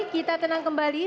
kita tenang kembali